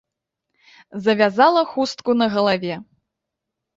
Завязала хустку на галаве.